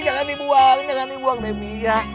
jangan dibuang jangan dibuang demi ya